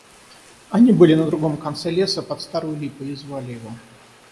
Они были на другом конце леса, под старою липой, и звали его.